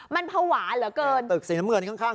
มันพาหวานเหลือเกินตึกสีน้ำเบือดี้ข้าง